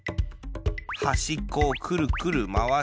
はしっこをくるくるまわして。